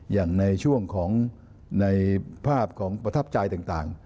อย่างในช่วงของในภาพของประทับใจต่าง